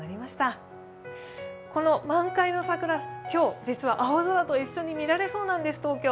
今日実は青空と一緒に東京見られそうなんです。